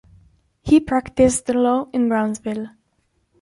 He practiced law in Brownsville.